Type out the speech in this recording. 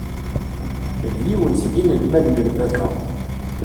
D yiwen seg inelmaden n baba.